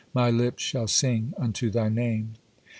My lips shall sing unto Thy name.